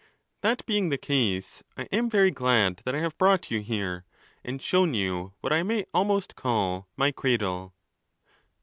—That being the case, I am very glad that I have brought you here, and shown you what I may almost call my cradle.